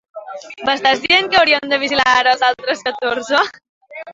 M'estàs dient que hauríem de vigilar ara els altres catorze?